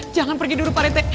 jangan pergi dulu parite